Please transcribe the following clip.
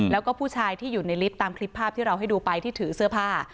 แล้วก็ผู้ชายที่อยู่ในลิฟต์ตามคลิปภาพที่เราให้ดูไปที่ถือเสื้อผ้า